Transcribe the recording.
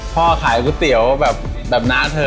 ขายก๋วยเตี๋ยวแบบน้าเธอ